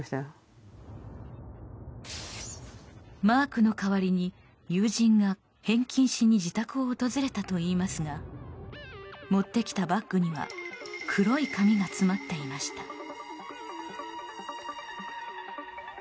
マークの代わりに友人が返金しに自宅を訪れたといいますが持ってきたバッグには黒い紙が詰まっていました。